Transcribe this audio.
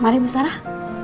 mari bu sarah